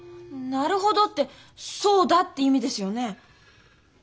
なるほどって「そうだ」って意味ですよね？